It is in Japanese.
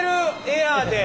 エアーで！